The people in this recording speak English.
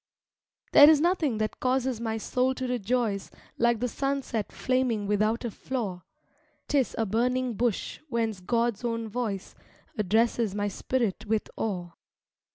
There is nothing that causes my soul to rejoice Like the sunset flaming without a flaw: 'Tis a burning bush whence God's own voice Addresses my spirit with awe.